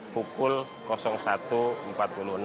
pukul satu empat puluh enam